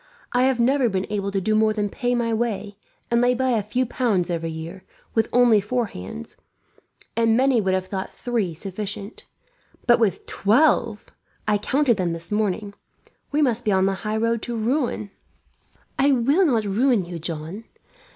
I have never been able to do more than pay my way, and lay by a few pounds every year, with only four hands, and many would have thought three sufficient; but with twelve and I counted them this morning we must be on the highroad to ruin." "I will not ruin you, John.